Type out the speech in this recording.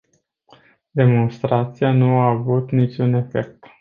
Demonstrația nu a avut niciun efect.